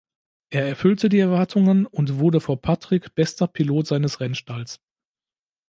Er erfüllte die Erwartungen und wurde vor Patrick bester Pilot seines Rennstalls.